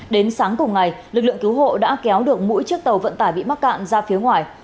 đến sáng cùng ngày lực lượng cứu hộ đã kéo được mỗi chiếc tàu vận tải bị mắc cạn ra phía ngoài